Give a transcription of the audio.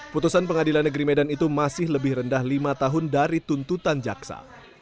putusan pengadilan negeri medan itu masih lebih rendah lima tahun dari tuntutan jaksa